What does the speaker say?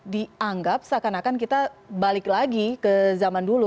dianggap seakan akan kita balik lagi ke zaman dulu